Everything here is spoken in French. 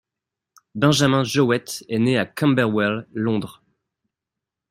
Benjamin Jowett est né à Camberwell, Londres.